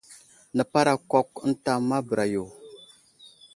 Nəparakwakw ənta ma bəra yo.